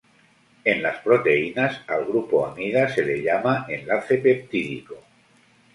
En las proteínas al grupo amida se le llama enlace peptídico.